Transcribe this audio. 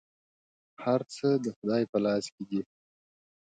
هر څه د خدای په لاس کي دي .